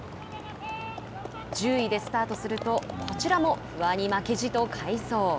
１０位でスタートするとこちらも不破に負けじと快走。